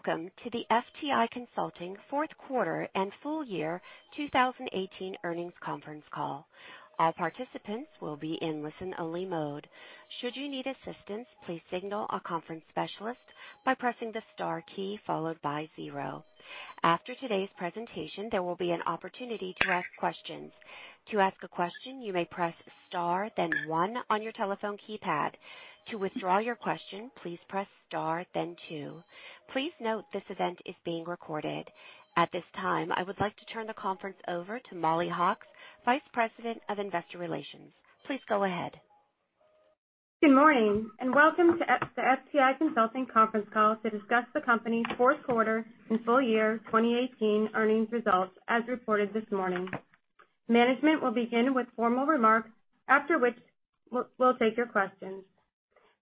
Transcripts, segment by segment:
Welcome to the FTI Consulting fourth quarter and full year 2018 earnings conference call. All participants will be in listen-only mode. Should you need assistance, please signal a conference specialist by pressing the star key followed by zero. After today's presentation, there will be an opportunity to ask questions. To ask a question, you may press star then one on your telephone keypad. To withdraw your question, please press star then two. Please note this event is being recorded. At this time, I would like to turn the conference over to Mollie Hawkes, Vice President of Investor Relations. Please go ahead. Good morning, and welcome to the FTI Consulting conference call to discuss the company's fourth quarter and full year 2018 earnings results, as reported this morning. Management will begin with formal remarks, after which we'll take your questions.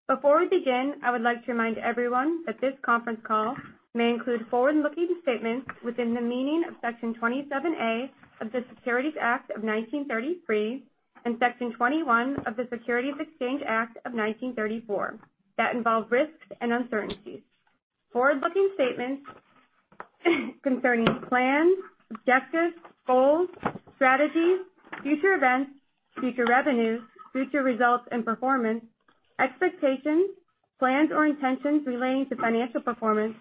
Before we begin, I would like to remind everyone that this conference call may include forward-looking statements within the meaning of Section 27A of the Securities Act of 1933 and Section 21 of the Securities Exchange Act of 1934 that involve risks and uncertainties. Forward-looking statements concerning plans, objectives, goals, strategies, future events, future revenues, future results and performance, expectations, plans, or intentions relating to financial performance,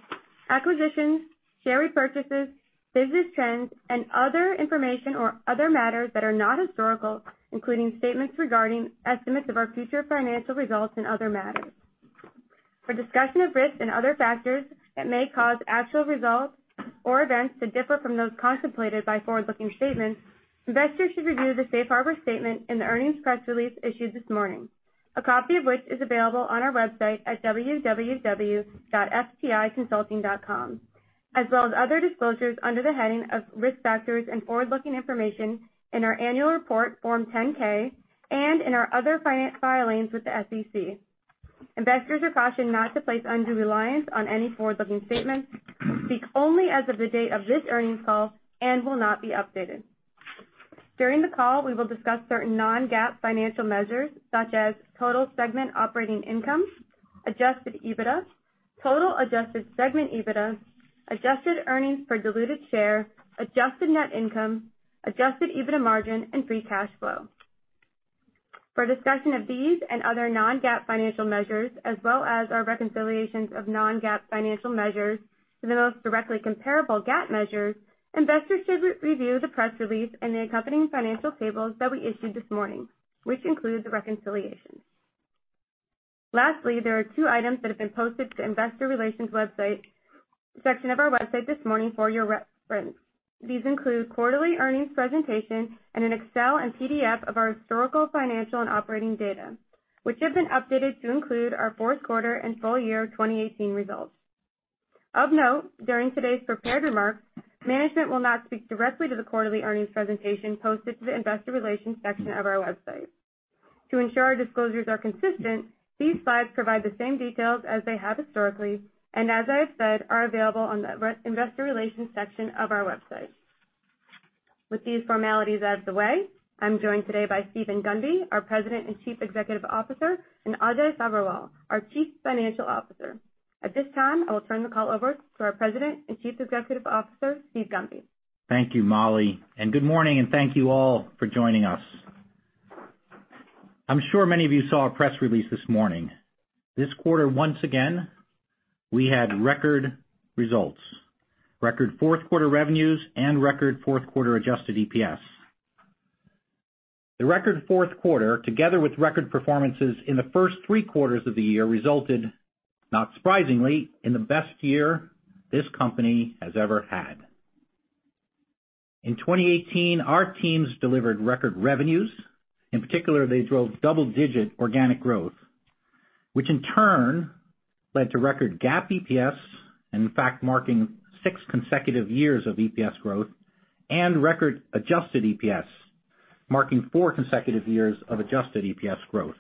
acquisitions, share repurchases, business trends, and other information or other matters that are not historical, including statements regarding estimates of our future financial results and other matters. For discussion of risks and other factors that may cause actual results or events to differ from those contemplated by forward-looking statements, investors should review the safe harbor statement in the earnings press release issued this morning, a copy of which is available on our website at www.fticonsulting.com, as well as other disclosures under the heading of Risk Factors and Forward-Looking Information in our annual report, Form 10-K, and in our other filings with the SEC. Investors are cautioned not to place undue reliance on any forward-looking statements, speak only as of the date of this earnings call and will not be updated. During the call, we will discuss certain non-GAAP financial measures, such as total segment operating income, adjusted EBITDA, total adjusted segment EBITDA, adjusted earnings per diluted share, adjusted net income, adjusted EBITDA margin, and free cash flow. For discussion of these and other non-GAAP financial measures, as well as our reconciliations of non-GAAP financial measures to the most directly comparable GAAP measures, investors should review the press release and the accompanying financial tables that we issued this morning, which includes the reconciliations. Lastly, there are two items that have been posted to the Investor Relations section of our website this morning for your reference. These include quarterly earnings presentation and an Excel and PDF of our historical, financial, and operating data, which has been updated to include our fourth quarter and full year 2018 results. Of note, during today's prepared remarks, management will not speak directly to the quarterly earnings presentation posted to the Investor Relations section of our website. To ensure our disclosures are consistent, these slides provide the same details as they have historically and as I have said, are available on the investor relations section of our website. With these formalities out of the way, I'm joined today by Steven Gunby, our President and Chief Executive Officer, and Ajay Agrawal, our Chief Financial Officer. At this time, I will turn the call over to our President and Chief Executive Officer, Steve Gunby. Thank you, Mollie, and good morning, and thank you all for joining us. I'm sure many of you saw our press release this morning. This quarter, once again, we had record results. Record fourth quarter revenues and record fourth quarter adjusted EPS. The record fourth quarter, together with record performances in the first three quarters of the year, resulted, not surprisingly, in the best year this company has ever had. In 2018, our teams delivered record revenues. In particular, they drove double-digit organic growth, which in turn led to record GAAP EPS, and in fact, marking six consecutive years of EPS growth and record adjusted EPS, marking four consecutive years of adjusted EPS growth.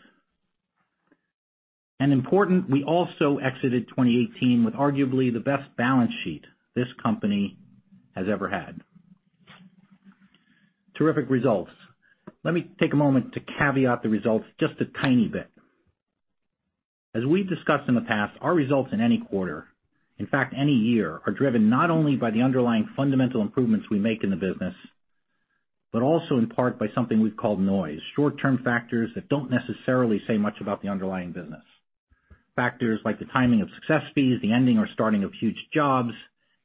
Important, we also exited 2018 with arguably the best balance sheet this company has ever had. Terrific results. Let me take a moment to caveat the results just a tiny bit. As we've discussed in the past, our results in any quarter, in fact, any year, are driven not only by the underlying fundamental improvements we make in the business but also in part by something we've called noise. Short-term factors that don't necessarily say much about the underlying business. Factors like the timing of success fees, the ending or starting of huge jobs,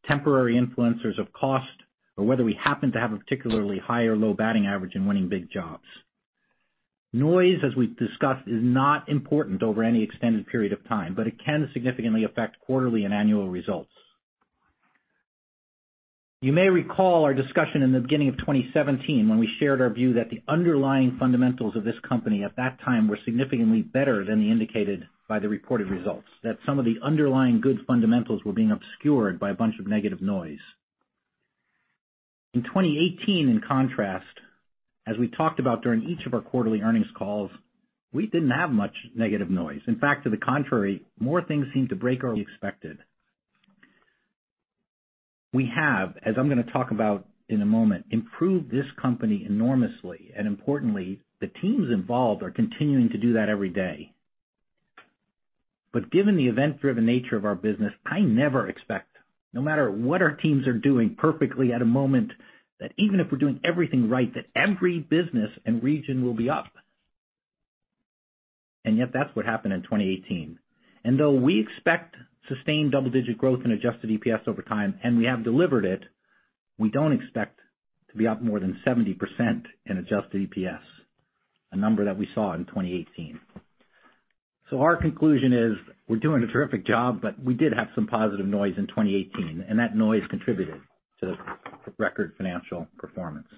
temporary influencers of cost, or whether we happen to have a particularly high or low batting average in winning big jobs. Noise, as we've discussed, is not important over any extended period of time, but it can significantly affect quarterly and annual results. You may recall our discussion in the beginning of 2017, when we shared our view that the underlying fundamentals of this company at that time were significantly better than indicated by the reported results. That some of the underlying good fundamentals were being obscured by a bunch of negative noise. In 2018, in contrast, as we talked about during each of our quarterly earnings calls, we didn't have much negative noise. In fact, to the contrary, more things seemed to break early. We have, as I'm going to talk about in a moment, improved this company enormously. Importantly, the teams involved are continuing to do that every day. Given the event-driven nature of our business, I never expect, no matter what our teams are doing perfectly at a moment, that even if we're doing everything right, that every business and region will be up. Yet that's what happened in 2018. Though we expect sustained double-digit growth in adjusted EPS over time, and we have delivered it, we don't expect to be up more than 70% in adjusted EPS, a number that we saw in 2018. Our conclusion is we're doing a terrific job, but we did have some positive noise in 2018, and that noise contributed to the record financial performance.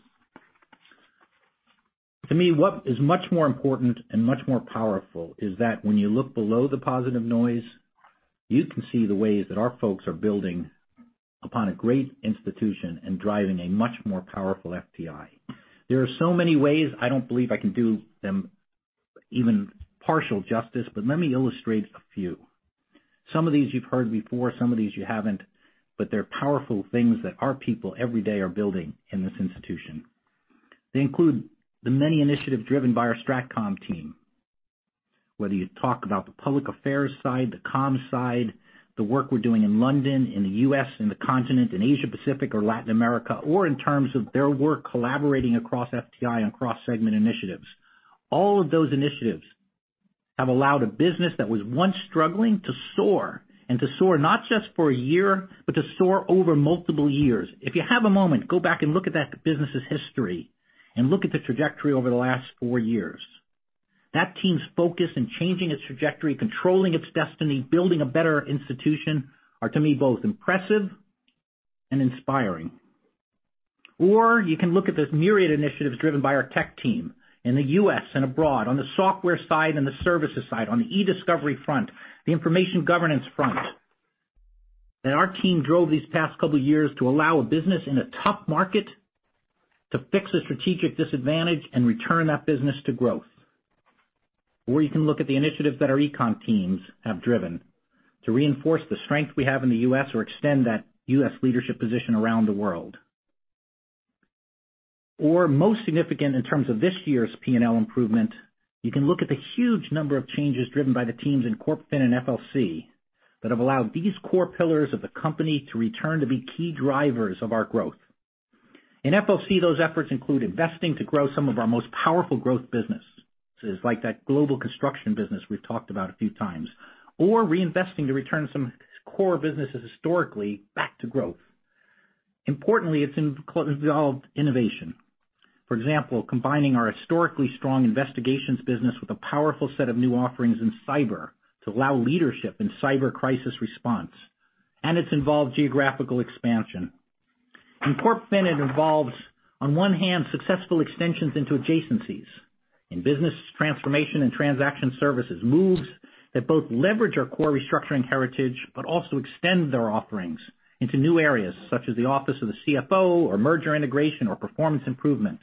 To me, what is much more important and much more powerful is that when you look below the positive noise, you can see the ways that our folks are building upon a great institution and driving a much more powerful FTI. There are so many ways I don't believe I can do them even partial justice, but let me illustrate a few. Some of these you've heard before, some of these you haven't, but they're powerful things that our people every day are building in this institution. They include the many initiatives driven by our StratCom team. Whether you talk about the public affairs side, the comms side, the work we're doing in London, in the U.S., in the continent, in Asia-Pacific or Latin America, or in terms of their work collaborating across FTI on cross-segment initiatives. All of those initiatives have allowed a business that was once struggling to soar, and to soar not just for a year, but to soar over multiple years. If you have a moment, go back and look at that business's history and look at the trajectory over the last four years. That team's focus in changing its trajectory, controlling its destiny, building a better institution are to me both impressive and inspiring. You can look at the myriad initiatives driven by our tech team in the U.S. and abroad on the software side and the services side, on the e-discovery front, the information governance front. That our team drove these past couple of years to allow a business in a tough market to fix a strategic disadvantage and return that business to growth. You can look at the initiatives that our econ teams have driven to reinforce the strength we have in the U.S. or extend that U.S. leadership position around the world. Most significant in terms of this year's P&L improvement, you can look at the huge number of changes driven by the teams in CorpFin and FLC that have allowed these core pillars of the company to return to be key drivers of our growth. In FLC, those efforts include investing to grow some of our most powerful growth businesses, like that global construction business we've talked about a few times, or reinvesting to return some core businesses historically back to growth. Importantly, it's involved innovation. For example, combining our historically strong investigations business with a powerful set of new offerings in cyber to allow leadership in cyber crisis response. It's involved geographical expansion. In CorpFin, it involves, on one hand, successful extensions into adjacencies in business transformation and transaction services, moves that both leverage our core restructuring heritage but also extend their offerings into new areas such as the office of the CFO or merger integration or performance improvement.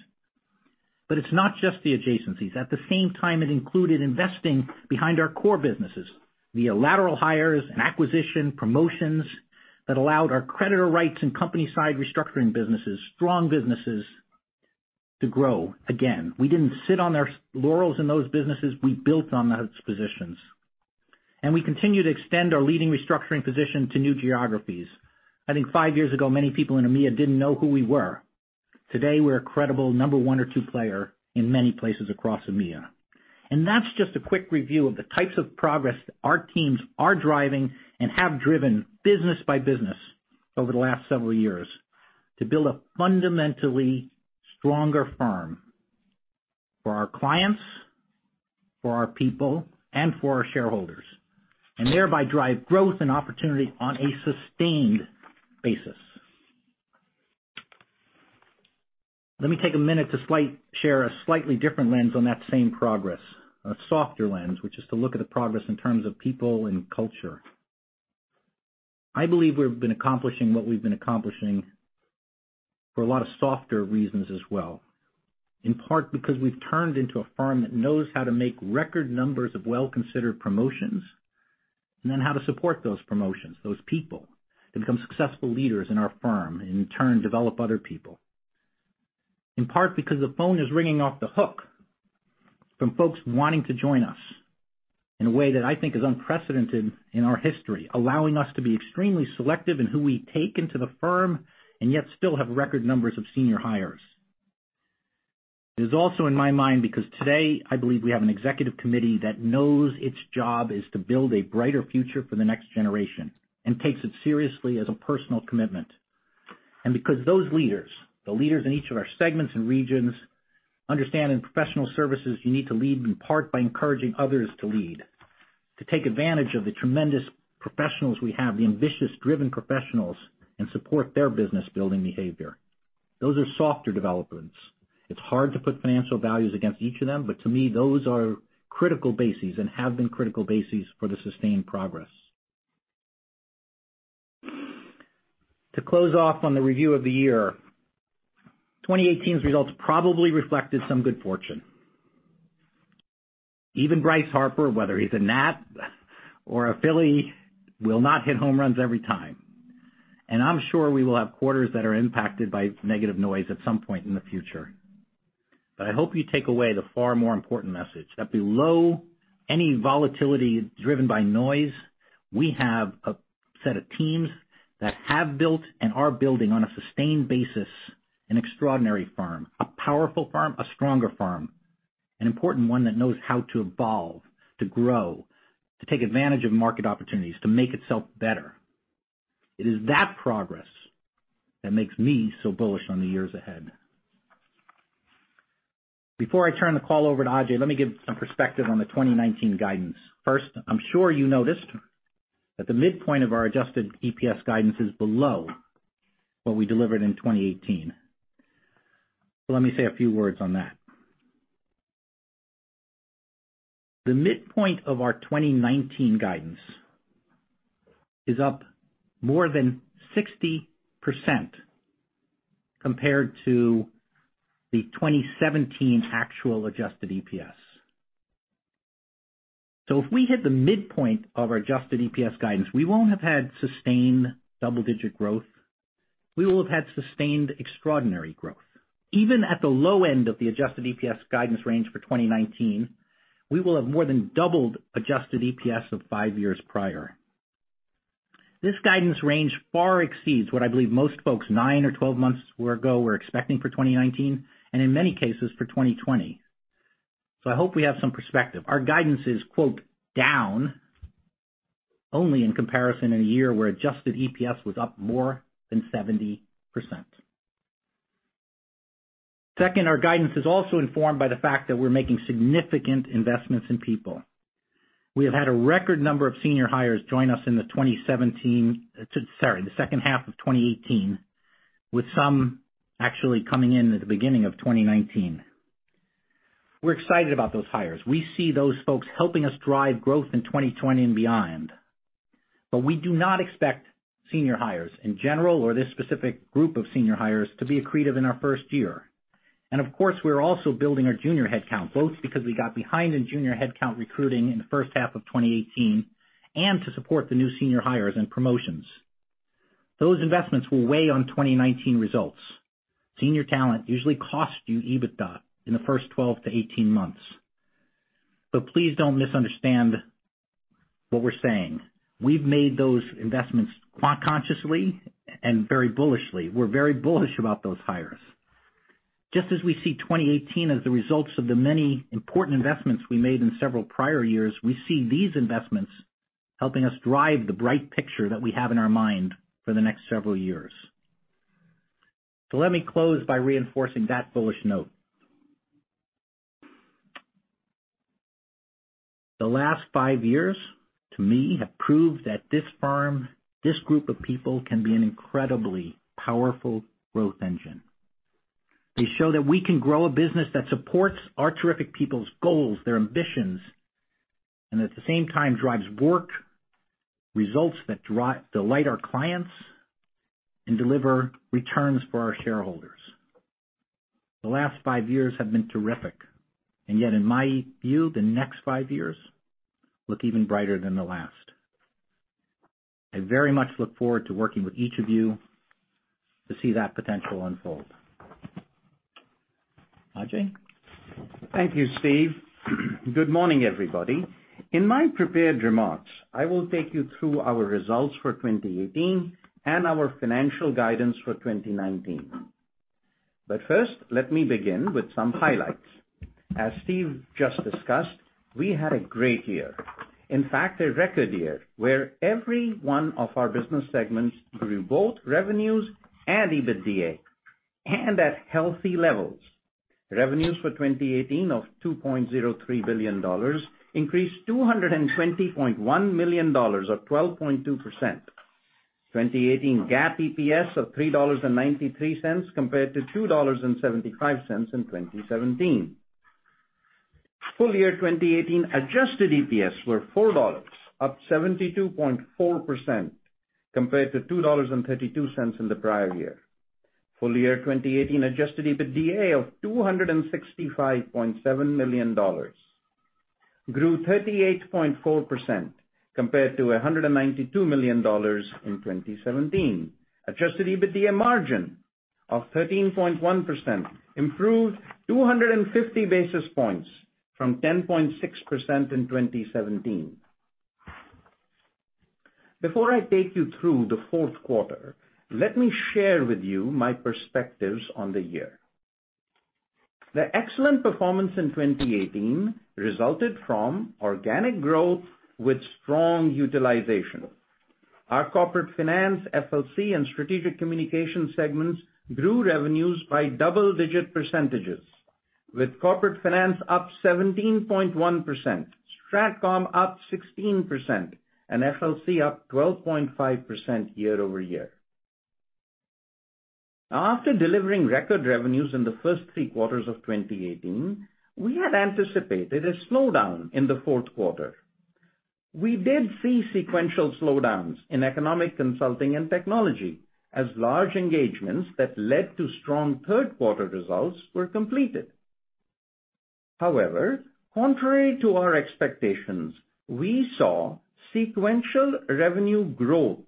It's not just the adjacencies. At the same time, it included investing behind our core businesses via lateral hires and acquisition, promotions that allowed our creditor rights and company-side restructuring businesses, strong businesses, to grow again. We didn't sit on their laurels in those businesses. We built on those positions. We continue to extend our leading restructuring position to new geographies. I think 5 years ago, many people in EMEA didn't know who we were. Today, we're a credible number 1 or 2 player in many places across EMEA. That's just a quick review of the types of progress that our teams are driving and have driven business by business over the last several years to build a fundamentally stronger firm for our clients, for our people, and for our shareholders, and thereby drive growth and opportunity on a sustained basis. Let me take a minute to share a slightly different lens on that same progress, a softer lens, which is to look at the progress in terms of people and culture. I believe we've been accomplishing what we've been accomplishing for a lot of softer reasons as well, in part because we've turned into a firm that knows how to make record numbers of well-considered promotions, and then how to support those promotions, those people, to become successful leaders in our firm, and in turn, develop other people. In part because the phone is ringing off the hook from folks wanting to join us in a way that I think is unprecedented in our history, allowing us to be extremely selective in who we take into the firm and yet still have record numbers of senior hires. It is also in my mind because today I believe we have an executive committee that knows its job is to build a brighter future for the next generation and takes it seriously as a personal commitment. Because those leaders, the leaders in each of our segments and regions, understand in professional services, you need to lead in part by encouraging others to lead, to take advantage of the tremendous professionals we have, the ambitious, driven professionals, and support their business-building behavior. Those are softer developments. It's hard to put financial values against each of them, but to me, those are critical bases and have been critical bases for the sustained progress. To close off on the review of the year, 2018's results probably reflected some good fortune. Even Bryce Harper, whether he's a Nat or a Philly, will not hit home runs every time. I'm sure we will have quarters that are impacted by negative noise at some point in the future. I hope you take away the far more important message, that below any volatility driven by noise, we have a set of teams that have built and are building on a sustained basis an extraordinary firm. A powerful firm. A stronger firm. An important one that knows how to evolve, to grow, to take advantage of market opportunities, to make itself better. It is that progress that makes me so bullish on the years ahead. Before I turn the call over to Ajay, let me give some perspective on the 2019 guidance. First, I'm sure you noticed that the midpoint of our adjusted EPS guidance is below what we delivered in 2018. Let me say a few words on that. The midpoint of our 2019 guidance is up more than 60% compared to the 2017 actual adjusted EPS. If we hit the midpoint of our adjusted EPS guidance, we won't have had sustained double-digit growth. We will have had sustained extraordinary growth. Even at the low end of the adjusted EPS guidance range for 2019, we will have more than doubled adjusted EPS of five years prior. This guidance range far exceeds what I believe most folks nine or 12 months ago were expecting for 2019, and in many cases, for 2020. I hope we have some perspective. Our guidance is, quote, "down" only in comparison in a year where adjusted EPS was up more than 70%. Second, our guidance is also informed by the fact that we're making significant investments in people. We have had a record number of senior hires join us in the second half of 2018, with some actually coming in at the beginning of 2019. We're excited about those hires. We see those folks helping us drive growth in 2020 and beyond. We do not expect senior hires in general, or this specific group of senior hires to be accretive in our first year. Of course, we're also building our junior headcount, both because we got behind in junior headcount recruiting in the first half of 2018, and to support the new senior hires and promotions. Those investments will weigh on 2019 results. Senior talent usually costs you EBITDA in the first 12 to 18 months. Please don't misunderstand what we're saying. We've made those investments consciously and very bullishly. We're very bullish about those hires. Just as we see 2018 as the results of the many important investments we made in several prior years, we see these investments helping us drive the bright picture that we have in our mind for the next several years. Let me close by reinforcing that bullish note. The last five years to me have proved that this firm, this group of people, can be an incredibly powerful growth engine. They show that we can grow a business that supports our terrific people's goals, their ambitions, and at the same time drives work results that delight our clients and deliver returns for our shareholders. The last five years have been terrific, and yet, in my view, the next five years look even brighter than the last. I very much look forward to working with each of you to see that potential unfold. Ajay? Thank you, Steve. Good morning, everybody. In my prepared remarks, I will take you through our results for 2018 and our financial guidance for 2019. First, let me begin with some highlights. As Steve just discussed, we had a great year. In fact, a record year where every one of our business segments grew both revenues and EBITDA, and at healthy levels. Revenues for 2018 of $2.03 billion increased $220.1 million or 12.2%. 2018 GAAP EPS of $3.93 compared to $2.75 in 2017. Full year 2018 adjusted EPS were $4, up 72.4%, compared to $2.32 in the prior year. Full year 2018 adjusted EBITDA of $265.7 million grew 38.4%, compared to $192 million in 2017. Adjusted EBITDA margin of 13.1% improved 250 basis points from 10.6% in 2017. Before I take you through the fourth quarter, let me share with you my perspectives on the year. The excellent performance in 2018 resulted from organic growth with strong utilization. Our Corporate Finance, FLC, and Strategic Communications segments grew revenues by double-digit percentages, with Corporate Finance up 17.1%, StratCom up 16%, and FLC up 12.5% year-over-year. After delivering record revenues in the first three quarters of 2018, we had anticipated a slowdown in the fourth quarter. We did see sequential slowdowns in Economic Consulting and Technology as large engagements that led to strong third-quarter results were completed. Contrary to our expectations, we saw sequential revenue growth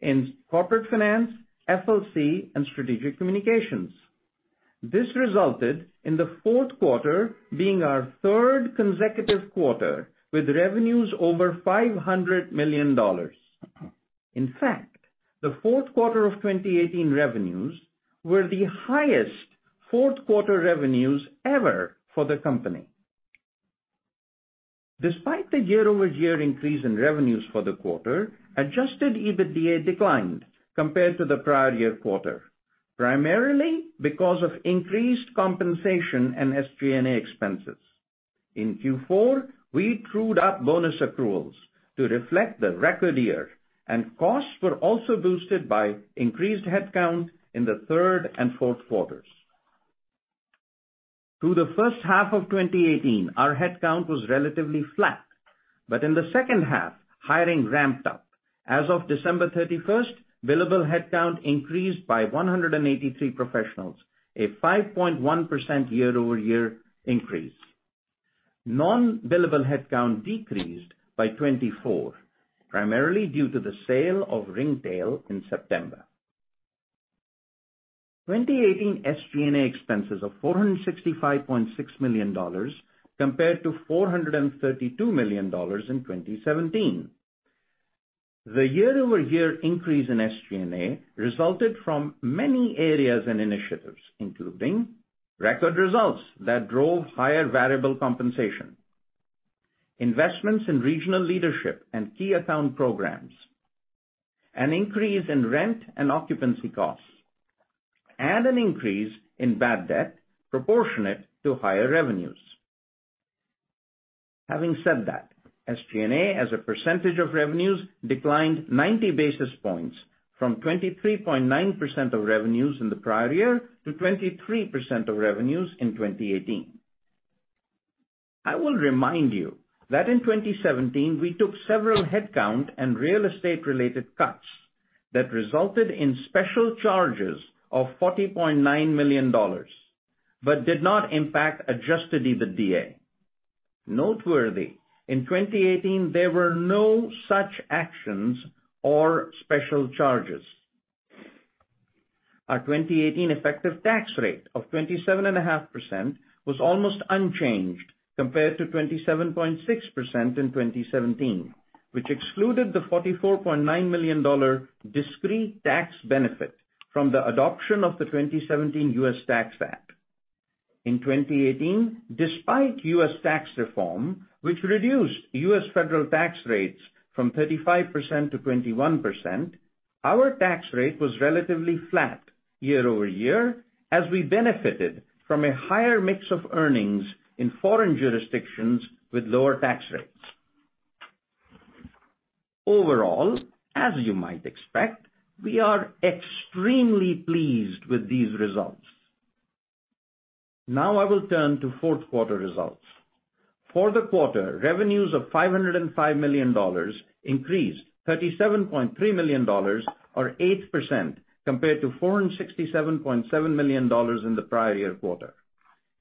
in Corporate Finance, FLC, and Strategic Communications. This resulted in the fourth quarter being our third consecutive quarter with revenues over $500 million. In fact, the fourth quarter of 2018 revenues were the highest fourth quarter revenues ever for the company. Despite the year-over-year increase in revenues for the quarter, adjusted EBITDA declined compared to the prior year quarter, primarily because of increased compensation and SG&A expenses. In Q4, we trued up bonus accruals to reflect the record year, and costs were also boosted by increased headcount in the third and fourth quarters. Through the first half of 2018, our headcount was relatively flat. In the second half, hiring ramped up. As of December 31st, billable headcount increased by 183 professionals, a 5.1% year-over-year increase. Non-billable headcount decreased by 24, primarily due to the sale of Ringtail in September. 2018 SG&A expenses of $465.6 million compared to $432 million in 2017. The year-over-year increase in SG&A resulted from many areas and initiatives, including record results that drove higher variable compensation, investments in regional leadership and key account programs, an increase in rent and occupancy costs, and an increase in bad debt proportionate to higher revenues. Having said that, SG&A as a percentage of revenues declined 90 basis points from 23.9% of revenues in the prior year to 23% of revenues in 2018. I will remind you that in 2017, we took several headcount and real estate-related cuts that resulted in special charges of $40.9 million but did not impact adjusted EBITDA. Noteworthy, in 2018, there were no such actions or special charges. Our 2018 effective tax rate of 27.5% was almost unchanged compared to 27.6% in 2017, which excluded the $44.9 million discrete tax benefit from the adoption of the 2017 U.S. Tax Act. In 2018, despite U.S. tax reform, which reduced U.S. federal tax rates from 35% to 21%, our tax rate was relatively flat year-over-year, as we benefited from a higher mix of earnings in foreign jurisdictions with lower tax rates. Overall, as you might expect, we are extremely pleased with these results. I will turn to fourth quarter results. For the quarter, revenues of $505 million increased $37.3 million or 8% compared to $467.7 million in the prior year quarter.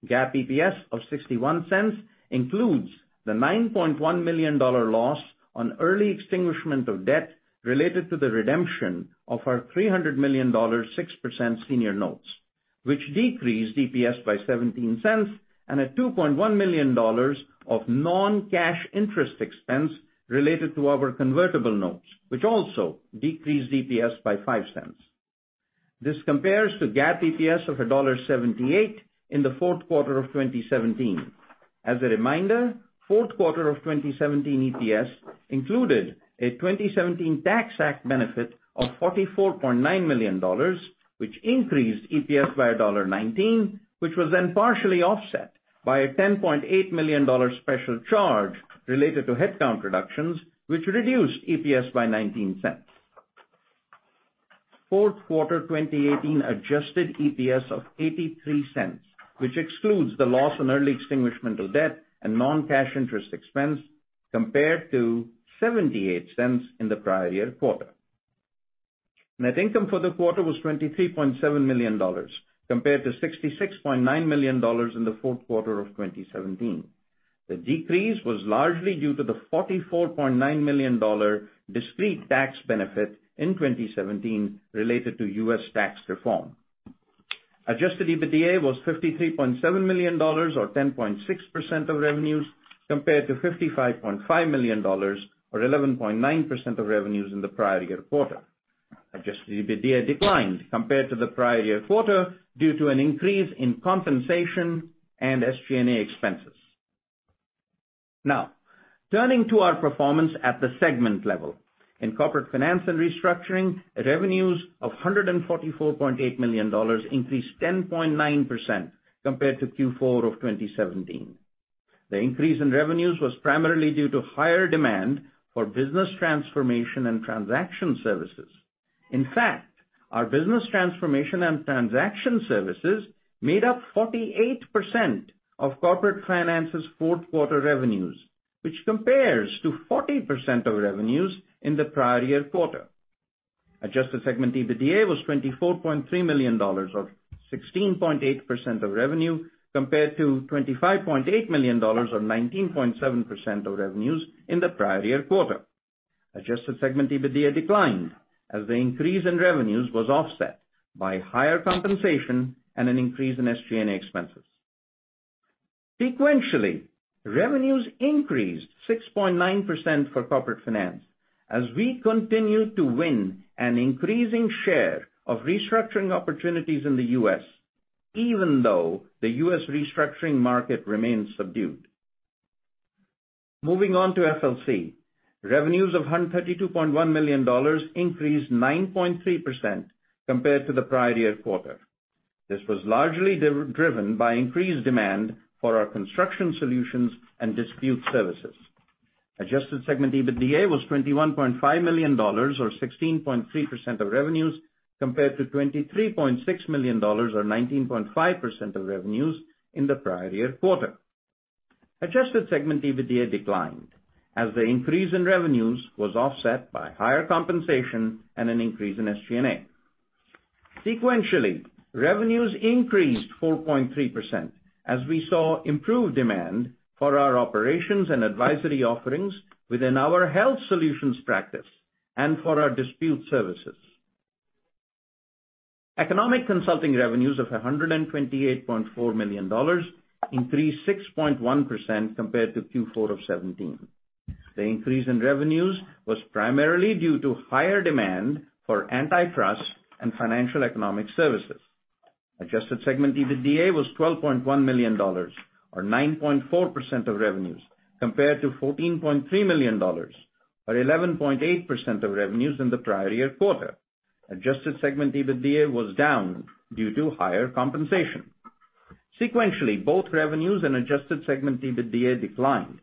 GAAP EPS of $0.61 includes the $9.1 million loss on early extinguishment of debt related to the redemption of our $300 million 6% senior notes, which decreased EPS by $0.17 and a $2.1 million of non-cash interest expense related to our convertible notes, which also decreased EPS by $0.05. This compares to GAAP EPS of $1.78 in the fourth quarter of 2017. As a reminder, fourth quarter of 2017 EPS included a 2017 Tax Act benefit of $44.9 million, which increased EPS by $1.19, which was then partially offset by a $10.8 million special charge related to headcount reductions, which reduced EPS by $0.19. Fourth quarter 2018 adjusted EPS of $0.83, which excludes the loss on early extinguishment of debt and non-cash interest expense compared to $0.78 in the prior year quarter. Net income for the quarter was $23.7 million compared to $66.9 million in the fourth quarter of 2017. The decrease was largely due to the $44.9 million discrete tax benefit in 2017 related to U.S. tax reform. Adjusted EBITDA was $53.7 million or 10.6% of revenues compared to $55.5 million or 11.9% of revenues in the prior year quarter. Adjusted EBITDA declined compared to the prior year quarter due to an increase in compensation and SG&A expenses. Turning to our performance at the segment level. In Corporate Finance & Restructuring, revenues of $144.8 million increased 10.9% compared to Q4 of 2017. The increase in revenues was primarily due to higher demand for business transformation and transaction services. In fact, our business transformation and transaction services made up 48% of Corporate Finance's fourth quarter revenues, which compares to 40% of revenues in the prior year quarter. Adjusted segment EBITDA was $24.3 million, or 16.8% of revenue, compared to $25.8 million, or 19.7% of revenues in the prior year quarter. Adjusted segment EBITDA declined as the increase in revenues was offset by higher compensation and an increase in SG&A expenses. Sequentially, revenues increased 6.9% for Corporate Finance as we continued to win an increasing share of restructuring opportunities in the U.S., even though the U.S. restructuring market remains subdued. Moving on to FLC. Revenues of $132.1 million increased 9.3% compared to the prior year quarter. This was largely driven by increased demand for our construction solutions and dispute services. Adjusted segment EBITDA was $21.5 million or 16.3% of revenues, compared to $23.6 million or 19.5% of revenues in the prior year quarter. Adjusted segment EBITDA declined as the increase in revenues was offset by higher compensation and an increase in SG&A. Sequentially, revenues increased 4.3% as we saw improved demand for our operations and advisory offerings within our health solutions practice and for our dispute services. Economic Consulting revenues of $128.4 million increased 6.1% compared to Q4 of 2017. The increase in revenues was primarily due to higher demand for antitrust and financial economic services. Adjusted segment EBITDA was $12.1 million or 9.4% of revenues, compared to $14.3 million or 11.8% of revenues in the prior year quarter. Adjusted segment EBITDA was down due to higher compensation. Sequentially, both revenues and adjusted segment EBITDA declined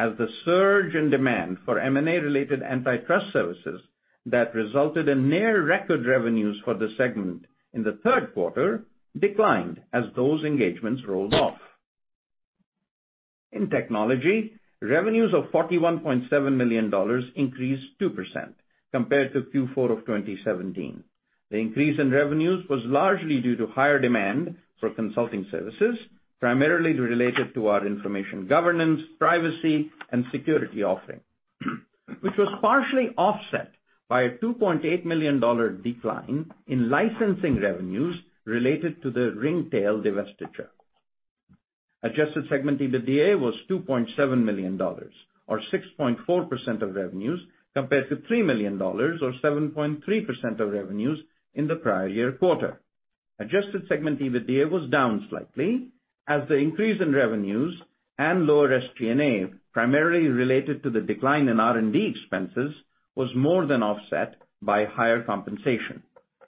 as the surge in demand for M&A related antitrust services that resulted in near record revenues for the segment in the third quarter declined as those engagements rolled off. In Technology, revenues of $41.7 million increased 2% compared to Q4 of 2017. The increase in revenues was largely due to higher demand for consulting services, primarily related to our information governance, privacy, and security offering, which was partially offset by a $2.8 million decline in licensing revenues related to the Ringtail divestiture. Adjusted segment EBITDA was $2.7 million or 6.4% of revenues compared to $3 million or 7.3% of revenues in the prior year quarter. Adjusted segment EBITDA was down slightly as the increase in revenues and lower SG&A, primarily related to the decline in R&D expenses, was more than offset by higher compensation,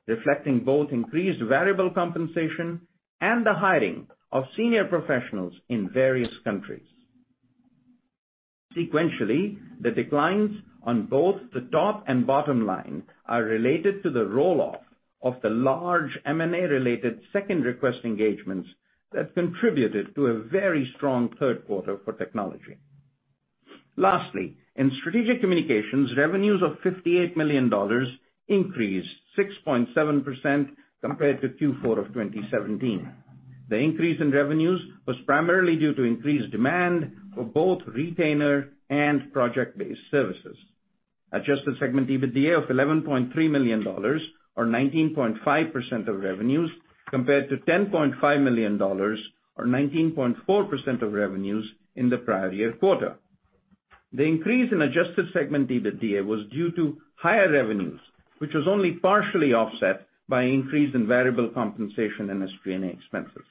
reflecting both increased variable compensation and the hiring of senior professionals in various countries. Sequentially, the declines on both the top and bottom line are related to the roll-off of the large M&A related second request engagements that contributed to a very strong third quarter for Technology. Lastly, in Strategic Communications, revenues of $58 million increased 6.7% compared to Q4 of 2017. The increase in revenues was primarily due to increased demand for both retainer and project-based services. Adjusted segment EBITDA of $11.3 million or 19.5% of revenues compared to $10.5 million or 19.4% of revenues in the prior year quarter. The increase in adjusted segment EBITDA was due to higher revenues, which was only partially offset by increase in variable compensation and SG&A expenses.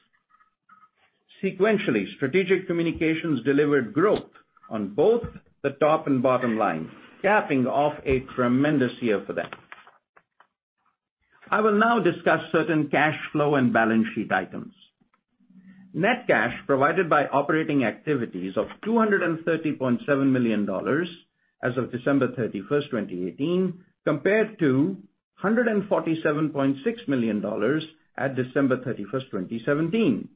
Sequentially, Strategic Communications delivered growth on both the top and bottom line, capping off a tremendous year for them. I will now discuss certain cash flow and balance sheet items. Net cash provided by operating activities of $230.7 million as of December 31st, 2018, compared to $147.6 million at December 31st, 2017.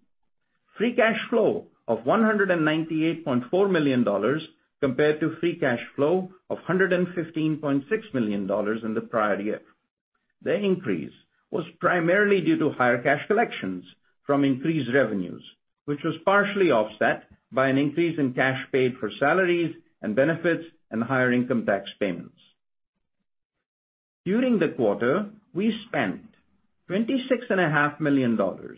Free cash flow of $198.4 million compared to free cash flow of $115.6 million in the prior year. The increase was primarily due to higher cash collections from increased revenues, which was partially offset by an increase in cash paid for salaries and benefits and higher income tax payments. During the quarter, we spent $26.5 million to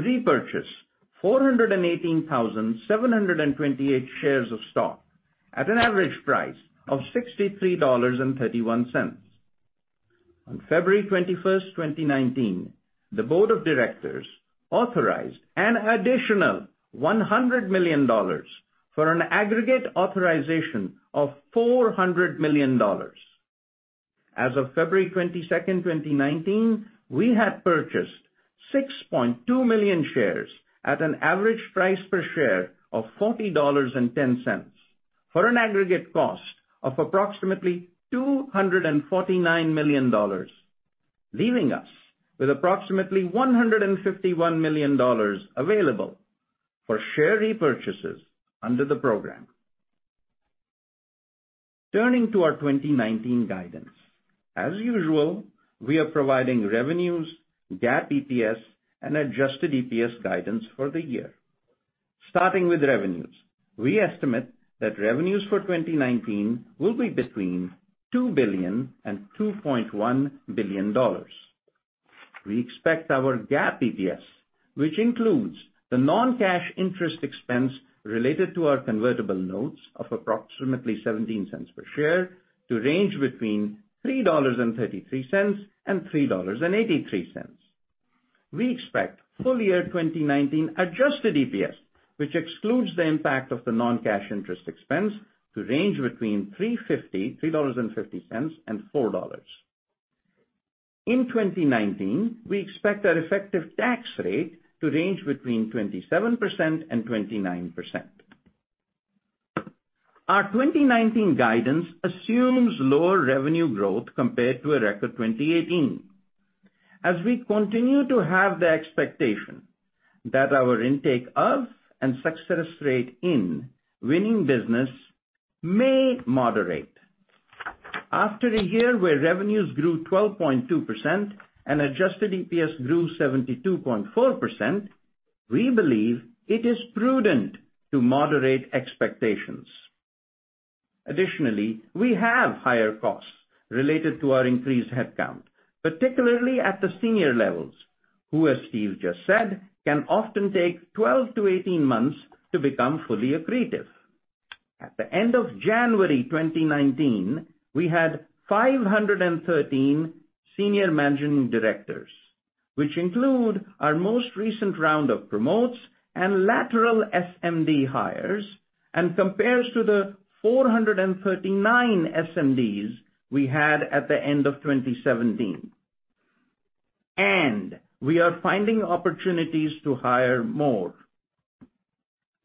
repurchase 418,728 shares of stock at an average price of $63.31. On February 21st, 2019, the board of directors authorized an additional $100 million for an aggregate authorization of $400 million. As of February 22nd, 2019, we had purchased 6.2 million shares at an average price per share of $40.10 for an aggregate cost of approximately $249 million, leaving us with approximately $151 million available for share repurchases under the program. Turning to our 2019 guidance. As usual, we are providing revenues, GAAP EPS, and adjusted EPS guidance for the year. Starting with revenues, we estimate that revenues for 2019 will be between $2 billion and $2.1 billion. We expect our GAAP EPS, which includes the non-cash interest expense related to our convertible notes of approximately $0.17 per share, to range between $3.33 and $3.83. We expect full year 2019 adjusted EPS, which excludes the impact of the non-cash interest expense, to range between $3.50 and $4. In 2019, we expect our effective tax rate to range between 27% and 29%. Our 2019 guidance assumes lower revenue growth compared to a record 2018. As we continue to have the expectation that our intake of and success rate in winning business may moderate. After a year where revenues grew 12.2% and adjusted EPS grew 72.4%, we believe it is prudent to moderate expectations. Additionally, we have higher costs related to our increased headcount, particularly at the senior levels, who, as Steve just said, can often take 12 to 18 months to become fully accretive. At the end of January 2019, we had 513 Senior Managing Directors, which include our most recent round of promotes and lateral SMD hires and compares to the 439 SMDs we had at the end of 2017, and we are finding opportunities to hire more.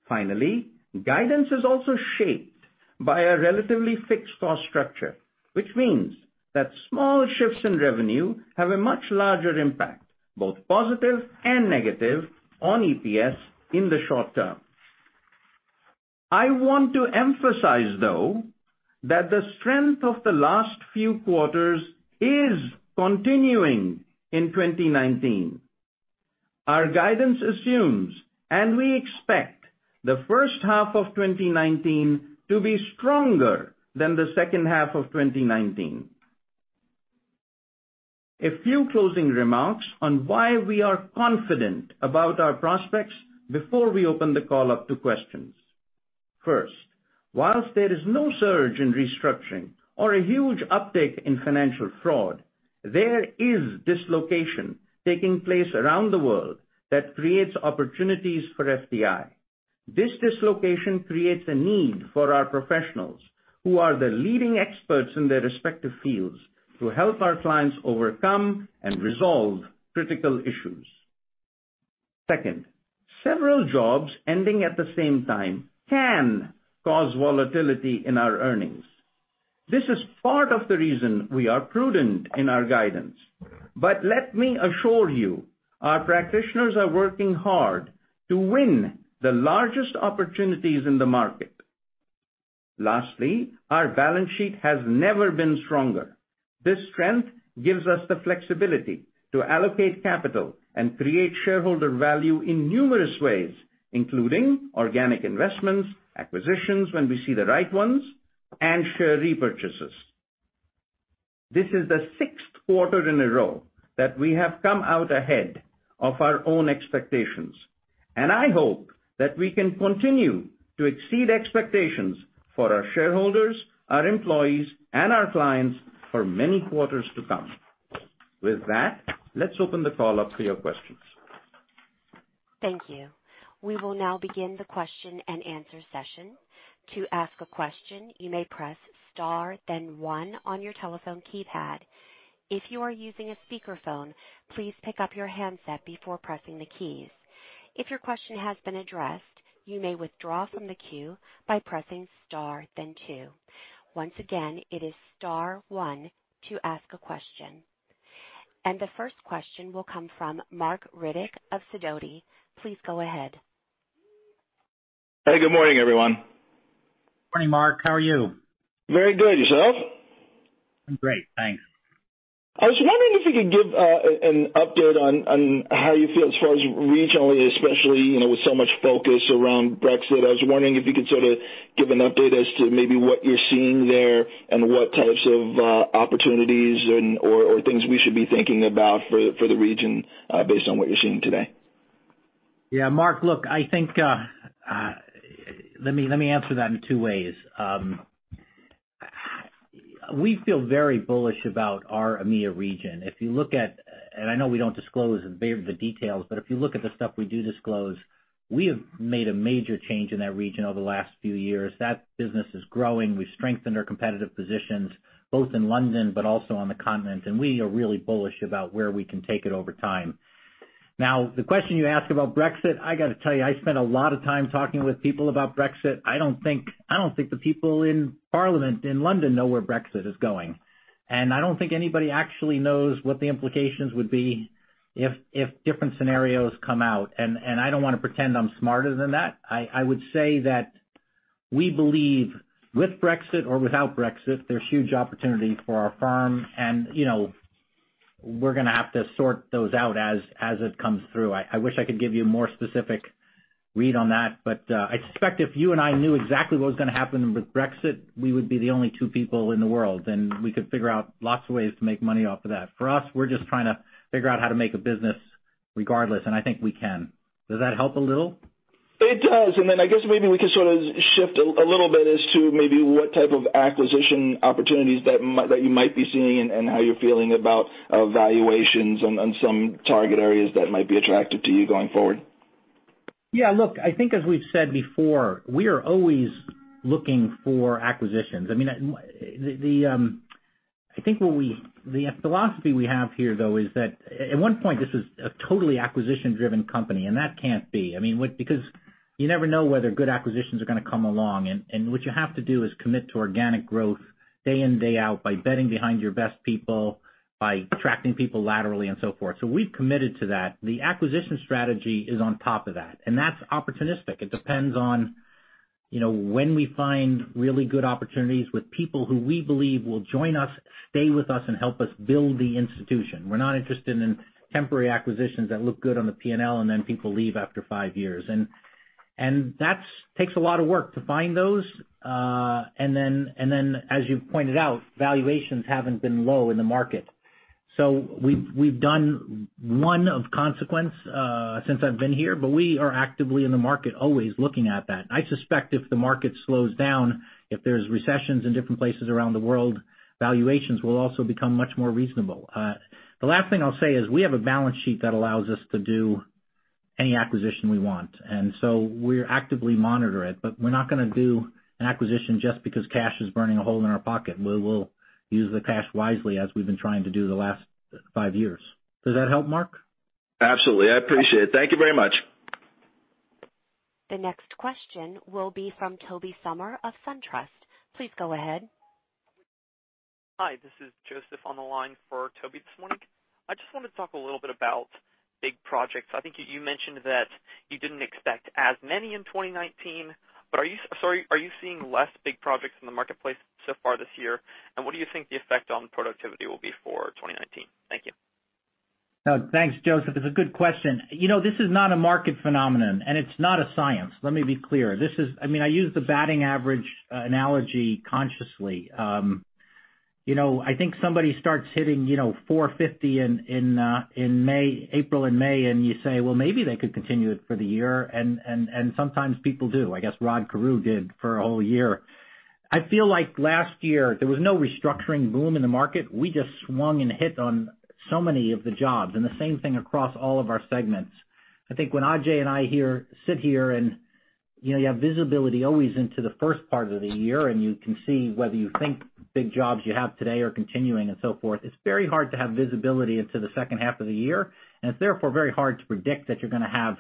Finally, guidance is also shaped by a relatively fixed cost structure, which means that small shifts in revenue have a much larger impact, both positive and negative, on EPS in the short term. I want to emphasize, though, that the strength of the last few quarters is continuing in 2019. Our guidance assumes, and we expect the first half of 2019 to be stronger than the second half of 2019. A few closing remarks on why we are confident about our prospects before we open the call up to questions. First, whilst there is no surge in restructuring or a huge uptick in financial fraud, there is dislocation taking place around the world that creates opportunities for FTI. This dislocation creates a need for our professionals, who are the leading experts in their respective fields, to help our clients overcome and resolve critical issues. Second, several jobs ending at the same time can cause volatility in our earnings. This is part of the reason we are prudent in our guidance. Let me assure you, our practitioners are working hard to win the largest opportunities in the market. Lastly, our balance sheet has never been stronger. This strength gives us the flexibility to allocate capital and create shareholder value in numerous ways, including organic investments, acquisitions when we see the right ones, and share repurchases. This is the sixth quarter in a row that we have come out ahead of our own expectations, and I hope that we can continue to exceed expectations for our shareholders, our employees, and our clients for many quarters to come. With that, let's open the call up to your questions. Thank you. We will now begin the question and answer session. To ask a question, you may press star, then one on your telephone keypad. If you are using a speakerphone, please pick up your handset before pressing the keys. If your question has been addressed, you may withdraw from the queue by pressing star, then two. Once again, it is star one to ask a question. The first question will come from Marc Riddick of Sidoti. Please go ahead. Hey, good morning, everyone. Morning, Marc. How are you? Very good. Yourself? I'm great, thanks. I was wondering if you could give an update on how you feel as far as regionally, especially with so much focus around Brexit. I was wondering if you could sort of give an update as to maybe what you're seeing there and what types of opportunities or things we should be thinking about for the region based on what you're seeing today. Yeah. Marc, look, let me answer that in two ways. We feel very bullish about our EMEA region. If you look at I know we don't disclose the details, but if you look at the stuff we do disclose, we have made a major change in that region over the last few years. That business is growing. We've strengthened our competitive positions both in London but also on the continent, and we are really bullish about where we can take it over time. The question you asked about Brexit, I got to tell you, I spent a lot of time talking with people about Brexit. I don't think the people in Parliament in London know where Brexit is going, and I don't think anybody actually knows what the implications would be if different scenarios come out. I don't want to pretend I'm smarter than that. I would say that we believe with Brexit or without Brexit, there's huge opportunity for our firm, and we're going to have to sort those out as it comes through. I wish I could give you a more specific read on that, but I suspect if you and I knew exactly what was going to happen with Brexit, we would be the only two people in the world, and we could figure out lots of ways to make money off of that. For us, we're just trying to figure out how to make a business regardless, and I think we can. Does that help a little? It does. I guess maybe we could sort of shift a little bit as to maybe what type of acquisition opportunities that you might be seeing and how you're feeling about valuations on some target areas that might be attractive to you going forward. Yeah. Look, I think as we've said before, we are always looking for acquisitions. I think the philosophy we have here, though, is that at one point, this was a totally acquisition-driven company, and that can't be. You never know whether good acquisitions are going to come along. What you have to do is commit to organic growth day in, day out by betting behind your best people, by attracting people laterally, and so forth. We've committed to that. The acquisition strategy is on top of that, and that's opportunistic. It depends on when we find really good opportunities with people who we believe will join us, stay with us, and help us build the institution. We're not interested in temporary acquisitions that look good on the P&L and then people leave after five years. That takes a lot of work to find those, and then, as you pointed out, valuations haven't been low in the market. We've done one of consequence since I've been here, but we are actively in the market, always looking at that. I suspect if the market slows down, if there's recessions in different places around the world, valuations will also become much more reasonable. The last thing I'll say is we have a balance sheet that allows us to do any acquisition we want, and so we actively monitor it. We're not going to do an acquisition just because cash is burning a hole in our pocket. We will use the cash wisely as we've been trying to do the last five years. Does that help, Marc? Absolutely. I appreciate it. Thank you very much. The next question will be from Tobey Sommer of SunTrust. Please go ahead. Hi, this is Joseph on the line for Tobey this morning. I just wanted to talk a little bit about big projects. I think you mentioned that you didn't expect as many in 2019. Are you seeing less big projects in the marketplace so far this year? What do you think the effect on productivity will be for 2019? Thank you. Thanks, Joseph. It's a good question. This is not a market phenomenon. It's not a science. Let me be clear. I use the batting average analogy consciously. I think somebody starts hitting .450 in April and May. You say, "Well, maybe they could continue it for the year," sometimes people do. I guess Rod Carew did for a whole year. I feel like last year, there was no restructuring boom in the market. We just swung and hit on so many of the jobs, the same thing across all of our segments. I think when Ajay and I sit here and you have visibility always into the first part of the year, you can see whether you think big jobs you have today are continuing and so forth. It's very hard to have visibility into the second half of the year. It's therefore very hard to predict that you're going to have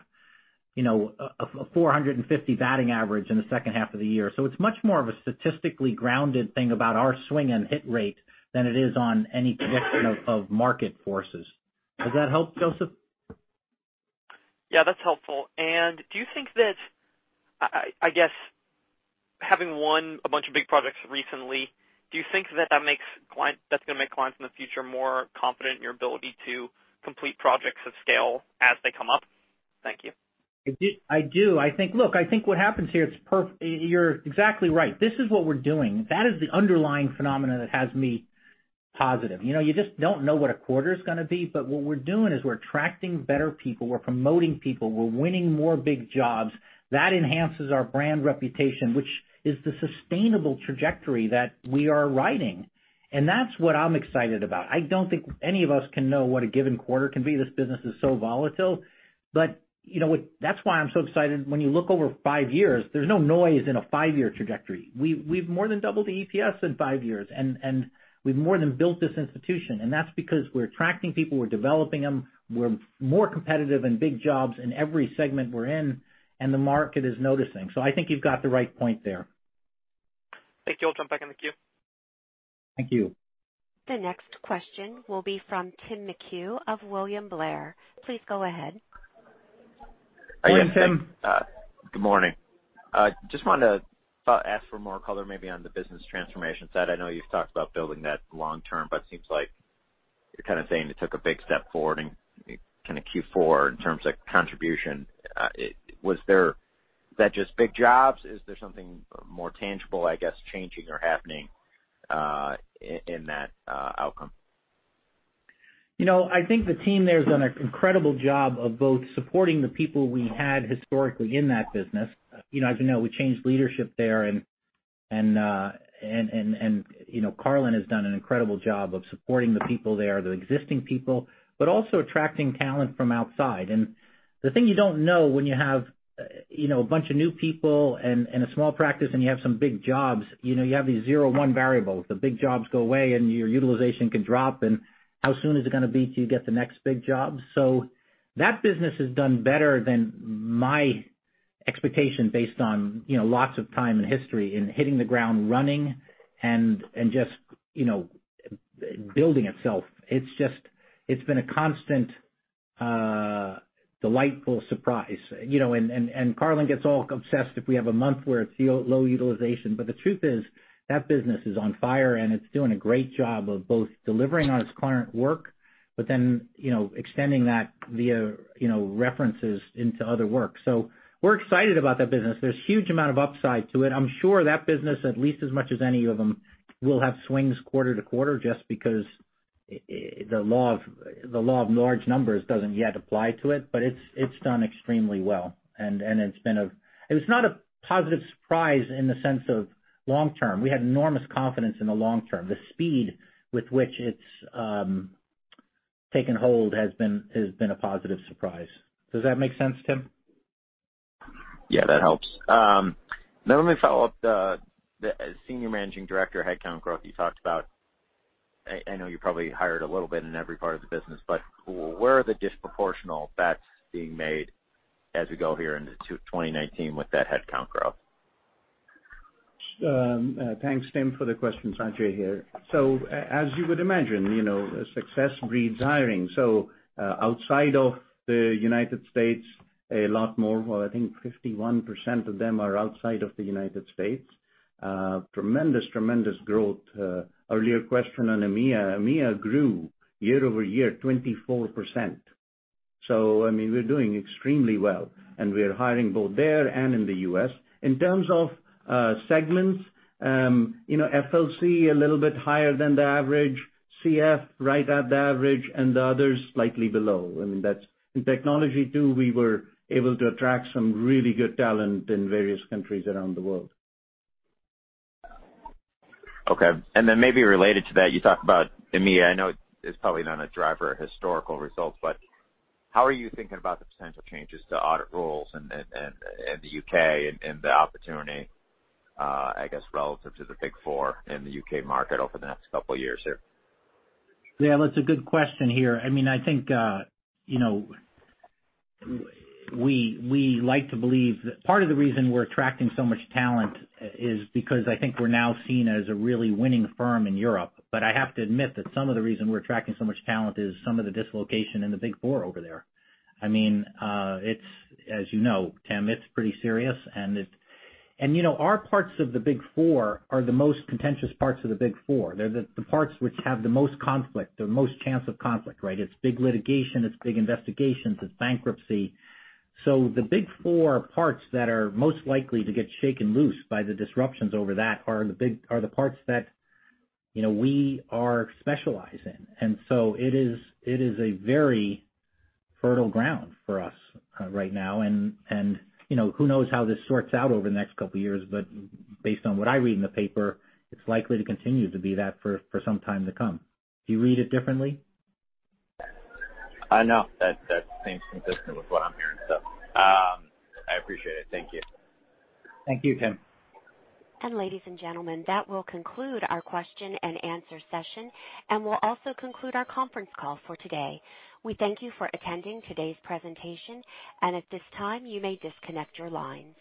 a .450 batting average in the second half of the year. It's much more of a statistically grounded thing about our swing and hit rate than it is on any connection of market forces. Does that help, Joseph? Yeah, that's helpful. Do you think that, I guess having won a bunch of big projects recently, do you think that that's going to make clients in the future more confident in your ability to complete projects of scale as they come up? Thank you. I do. Look, I think what happens here, you're exactly right. This is what we're doing. That is the underlying phenomenon that has me positive. You just don't know what a quarter is going to be. What we're doing is we're attracting better people. We're promoting people. We're winning more big jobs. That enhances our brand reputation, which is the sustainable trajectory that we are riding, and that's what I'm excited about. I don't think any of us can know what a given quarter can be. This business is so volatile. That's why I'm so excited. When you look over five years, there's no noise in a five-year trajectory. We've more than doubled the EPS in five years, and we've more than built this institution, and that's because we're attracting people, we're developing them, we're more competitive in big jobs in every segment we're in, and the market is noticing. I think you've got the right point there. Thank you. I'll jump back in the queue. Thank you. The next question will be from Tim McHugh of William Blair. Please go ahead. Go ahead, Tim. Good morning. Just wanted to ask for more color maybe on the business transformation side. I know you've talked about building that long term, it seems like you're kind of saying it took a big step forward in Q4 in terms of contribution. Was that just big jobs? Is there something more tangible, I guess, changing or happening in that outcome? I think the team there has done an incredible job of both supporting the people we had historically in that business. As you know, we changed leadership there, Carlyn has done an incredible job of supporting the people there, the existing people, but also attracting talent from outside. The thing you don't know when you have a bunch of new people and a small practice and you have some big jobs, you have these zero one variables. The big jobs go away, and your utilization can drop, and how soon is it going to be till you get the next big job? That business has done better than my expectation based on lots of time and history in hitting the ground running and just building itself. It's been a constant delightful surprise. Carlyn gets all obsessed if we have a month where it's low utilization. The truth is, that business is on fire, and it's doing a great job of both delivering on its current work, but then extending that via references into other work. We're excited about that business. There's huge amount of upside to it. I'm sure that business, at least as much as any of them, will have swings quarter-to-quarter just because the law of large numbers doesn't yet apply to it. It's done extremely well, and it's not a positive surprise in the sense of long-term. We had enormous confidence in the long term. The speed with which it's taken hold has been a positive surprise. Does that make sense, Tim? Yeah, that helps. Now let me follow up. The Senior Managing Director headcount growth you talked about, I know you probably hired a little bit in every part of the business, but where are the disproportional bets being made as we go here into 2019 with that headcount growth? Thanks, Tim, for the question. Ajay here. As you would imagine, success breeds hiring. Outside of the United States, a lot more, well, I think 51% of them are outside of the United States. Tremendous growth. Earlier question on EMEA. EMEA grew year-over-year 24%. I mean, we're doing extremely well, and we're hiring both there and in the U.S. In terms of segments FLC a little bit higher than the average, CF right at the average, and the others slightly below. I mean, in Technology too, we were able to attract some really good talent in various countries around the world. Okay, maybe related to that, you talked about EMEA. I know it's probably not a driver of historical results, but how are you thinking about the potential changes to audit rules in the U.K. and the opportunity, I guess, relative to the Big Four in the U.K. market over the next couple of years here? Yeah, that's a good question here. I think we like to believe part of the reason we're attracting so much talent is because I think we're now seen as a really winning firm in Europe. I have to admit that some of the reason we're attracting so much talent is some of the dislocation in the Big Four over there. I mean, as you know, Tim, it's pretty serious, and our parts of the Big Four are the most contentious parts of the Big Four. They're the parts which have the most conflict or most chance of conflict, right? It's big litigation, it's big investigations, it's bankruptcy. The Big Four parts that are most likely to get shaken loose by the disruptions over that are the parts that we are specialized in. It is a very fertile ground for us right now. Who knows how this sorts out over the next couple of years, but based on what I read in the paper, it's likely to continue to be that for some time to come. Do you read it differently? No, that seems consistent with what I'm hearing still. I appreciate it. Thank you. Thank you, Tim. Ladies and gentlemen, that will conclude our question and answer session, and will also conclude our conference call for today. We thank you for attending today's presentation, and at this time, you may disconnect your lines.